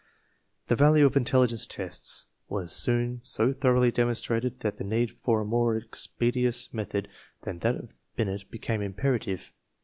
The value of intelligence tests was soon so thoroughly demonstrated that the need for a more expeditious method than that of Binet became imperative.